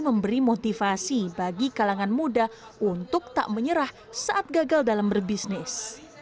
memberi motivasi bagi kalangan muda untuk tak menyerah saat gagal dalam berbisnis